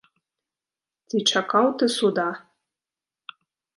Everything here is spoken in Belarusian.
Ці чакаў ты суда?